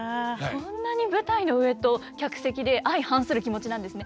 そんなに舞台の上と客席で相反する気持ちなんですね。